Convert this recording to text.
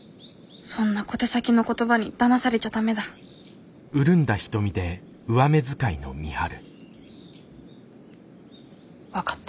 そんな小手先の言葉にだまされちゃダメだ分かった。